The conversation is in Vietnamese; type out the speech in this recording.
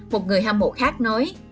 một người hâm mộ khác nói